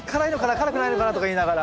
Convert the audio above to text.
辛くないのかな？」とか言いながら。